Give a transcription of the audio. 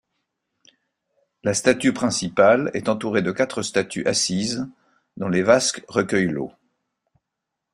La statue principale est entourée de quatre statues assises, dont les vasques recueillent l'eau.